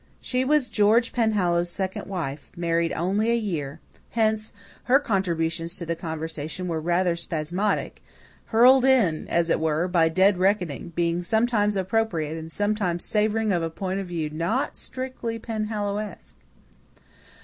She was George Penhallow's second wife, married only a year. Hence, her contributions to the conversation were rather spasmodic, hurled in, as it were, by dead reckoning, being sometimes appropriate and sometimes savouring of a point of view not strictly Penhallowesque.